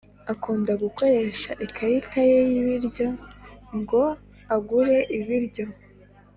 Akunda gukoresha ikarita ye y ibiryo ngo agure ibiryo